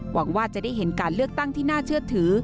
หวังว่าจะได้เห็นการเลือกตั้งที่น่าเชื่อถือ